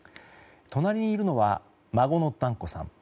隣にいるのは孫の團子さん。